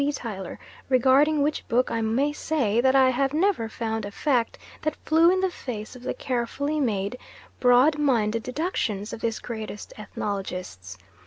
B. Tylor, regarding which book I may say that I have never found a fact that flew in the face of the carefully made, broad minded deductions of this greatest of Ethnologists.